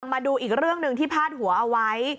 มาดูอีกเรื่องหนึ่งที่พาดหัวเอาไว้